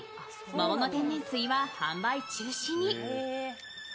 桃の天然水は販売中止に。